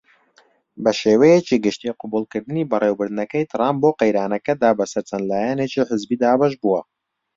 بەشێوەیەکی گشتی قبوڵکردنی بەڕێوبردنەکەی تڕامپ بۆ قەیرانەکەدا بە سەر چەند لایەنێکی حزبی دابەش بووە.